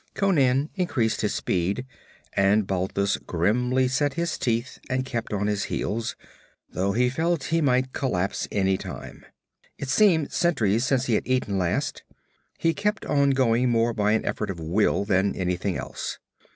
Conan increased his speed, and Balthus grimly set his teeth and kept on his heels, though he felt he might collapse any time. It seemed centuries since he had eaten last. He kept going more by an effort of will than anything else.